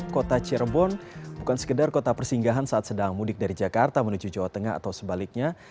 kota cirebon bukan sekedar kota persinggahan saat sedang mudik dari jakarta menuju jawa tengah atau sebaliknya